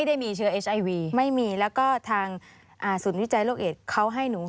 แล้วสูญวิจัยโรคเอเขาให้หนู